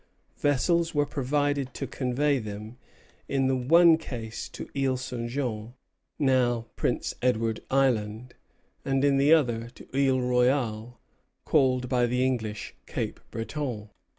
Vessels were provided to convey them, in the one case to Isle St. Jean, now Prince Edward Island, and in the other to Isle Royale, called by the English, Cape Breton.